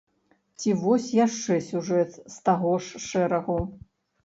Ці вось яшчэ сюжэт з таго ж шэрагу.